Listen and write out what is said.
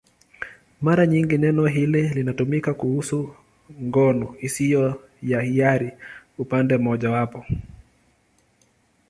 Mara nyingi neno hili linatumika kuhusu ngono isiyo ya hiari upande mmojawapo.